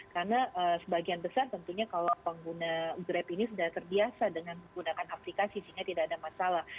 karena sebagian besar tentunya kalau pengguna grep ini sudah terbiasa dengan menggunakan aplikasi sehingga tidak ada masalah